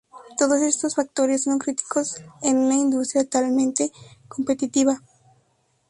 Todos estos factores son críticos en una industria altamente competitiva.